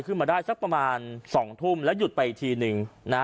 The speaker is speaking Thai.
ขึ้นมาได้สักประมาณ๒ทุ่มแล้วหยุดไปอีกทีนึงนะ